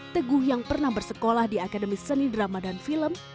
teguh yang pernah bersekolah di akademi seni drama dan film